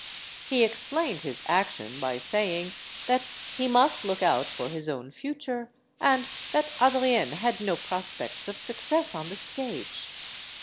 He explained his action by saying that he must look out for his own future, and that Adrienne had no prospects of success on the stage.